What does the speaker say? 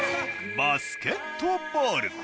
バスケットボール。